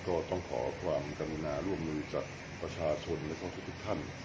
ก็ต้องขอความกรุณาร่วมมือจากประชาชนแล้วก็ทุกท่าน